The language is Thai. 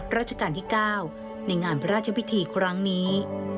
ราชการที่๙ในงานพระราชพิธีครั้งนี้